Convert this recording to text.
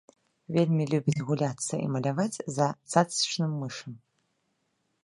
Вельмі любіць гуляцца і паляваць за цацачным мышам.